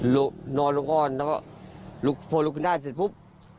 นอนลงก้อนแล้วก็ลุกพอลุกขึ้นได้เสร็จปุ๊บ